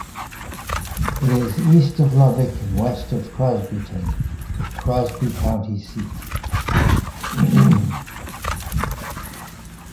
It is east of Lubbock and west of Crosbyton, the Crosby County seat.